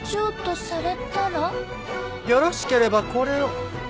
よろしければこれを。